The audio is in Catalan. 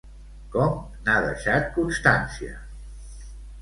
Com n'ha deixat constància?